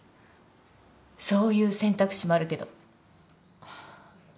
そういう選択肢もあるけど。